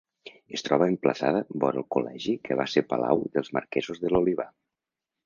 Es troba emplaçada vora el Col·legi que va ser palau dels marquesos de l'Olivar.